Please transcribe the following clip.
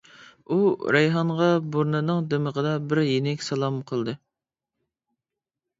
ئۇ رەيھانغا بۇرنىنىڭ دىمىقىدا بىر يېنىك سالام قىلدى.